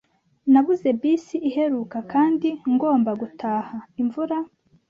Nabuze bisi iheruka kandi ngomba gutaha imvura.